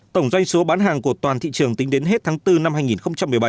tổng doanh số bán hàng của toàn thị trường tính đến hết tháng bốn năm hai nghìn một mươi bảy